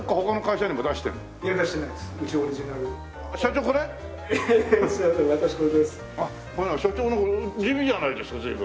社長なんか地味じゃないですか随分。